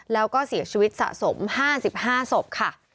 แล้วก็เสียชีวิตสะสม๕๕ศพค่ะ